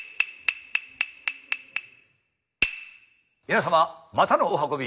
皆様またのお運び